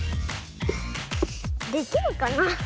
できるかな？